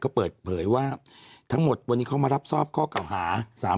ก็เปิดเผยว่าทั้งหมดวันนี้เขามารับทราบข้อเก่าหา